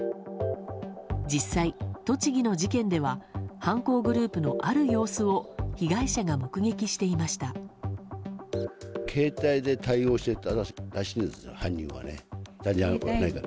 実際、栃木の事件では犯行グループの、ある様子を被害者が目撃していました。